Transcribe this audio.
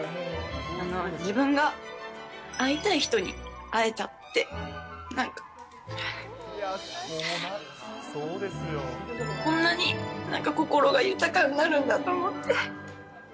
自分が会いたい人に会えたって、なんか、こんなになんか心が豊かになるんだと思って。